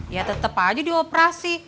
ya tetep aja dioperasi